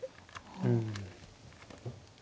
うん。